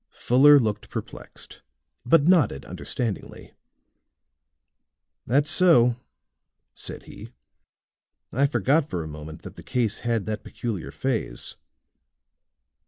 Fuller looked perplexed, but nodded understandingly. "That's so," said he. "I forgot, for a moment, that the case had that peculiar phase."